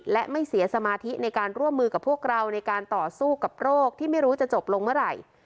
และไม่เสียสมาธิในการร่วมมือกับพวกเราในการต่อสู้กับโรคที่ไม่รู้จะจบลงเมื่อไหร่